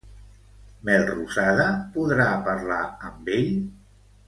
Melrosada podrà parlar amb ell?